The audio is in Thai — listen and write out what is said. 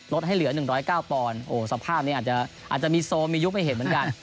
ให้เหลือ๑๐๙ปอนด์โอ้สภาพนี้อาจจะมีโซมียุคไม่เห็นเหมือนกัน